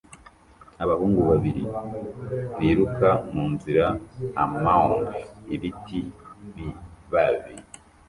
Abahungu babiri biruka munzira amoung ibiti bibabi